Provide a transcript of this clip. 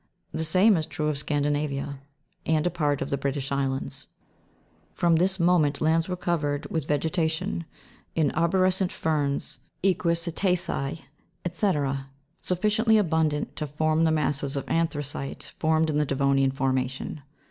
The same i? true of Scandinavia, and a part of the British islands. COAL EPOCH. 193 From this moment lands were covered with vegetation, in arbo rescent ferns, equisita'cese, &c., sufficiently abundant to form the masses of anthracite found in the Devonian formation.